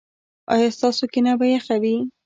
ایا ستاسو کینه به یخه وي؟